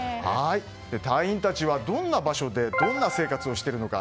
隊員たちはどんな場所でどんな生活をしているのか。